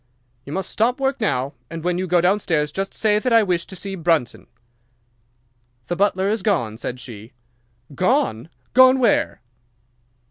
"You must stop work now, and when you go downstairs just say that I wish to see Brunton." "'"The butler is gone," said she. "'"Gone! Gone where?"